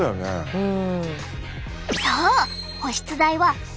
うん。